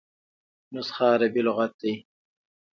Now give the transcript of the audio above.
نسخه عربي لغت دﺉ.